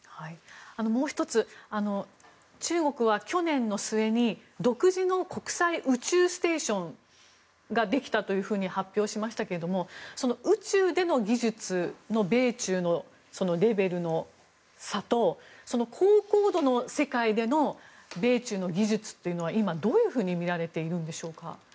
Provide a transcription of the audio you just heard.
もう１つ中国は去年の末に独自の国際宇宙ステーションができたと発表しましたが宇宙での技術の米中のレベルの差とその高高度の世界での米中の技術というのは今、どういうふうに見られているんでしょうか。